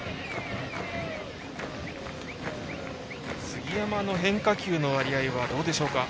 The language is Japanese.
杉山の変化球の割合はどうでしょうか。